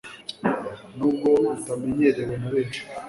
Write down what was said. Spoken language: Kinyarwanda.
Nubwo bitamenyerewe na benshi,